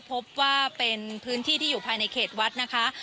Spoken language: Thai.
พบว่าเป็นพื้นที่ที่อยู่ภายในเขตวัดนะคะ